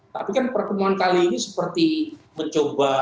tapi kan pertemuan kali ini seperti mencoba